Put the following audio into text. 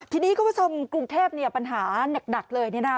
ทีนี้คุณผู้ชมกรุงเทพเนี่ยปัญหานักเลยเนี่ยนะคะ